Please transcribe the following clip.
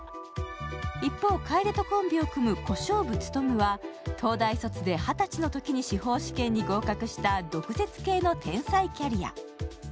一方、楓とコンビを組む小勝負勉は東大卒で二十歳のときに司法試験に合格した毒舌系の天才キャリア。